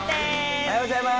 おはようございます。